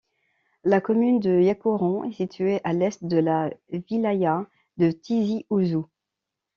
La commune de Yakouren est située à l'est de la wilaya de Tizi Ouzou.